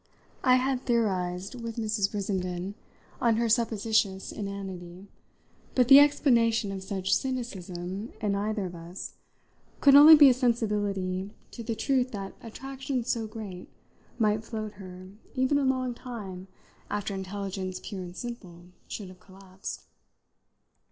I had theorised with Mrs. Brissenden on her supposititious inanity, but the explanation of such cynicism in either of us could only be a sensibility to the truth that attractions so great might float her even a long time after intelligence pure and simple should have collapsed.